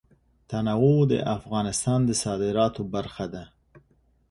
تنوع د افغانستان د صادراتو برخه ده.